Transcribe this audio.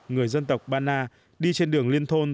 người dân tộc bana đi trên đường liên thôn